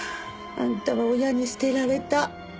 あんたは親に捨てられた。